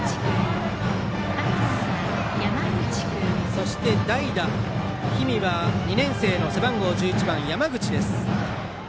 そして代打、氷見は２年生、背番号１１番、山口です。